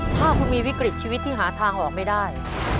ถ้าคุณมีวิกฤตชีวิตที่หาทางออกไม่ได้